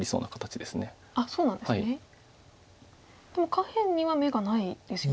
でも下辺には眼がないですよね。